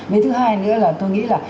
với thứ hai nữa là tôi nghĩ là